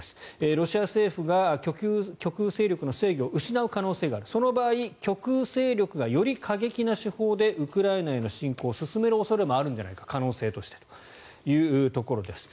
ロシア政府が極右勢力の制御を失う可能性があるその場合、極右勢力がより過激な手法でウクライナへの侵攻を進める恐れもあるんじゃないか可能性としてというところです。